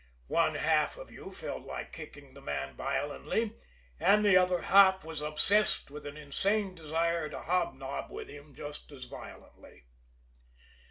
One half of you felt like kicking the man violently, and the other half was obsessed with an insane desire to hobnob with him just as violently.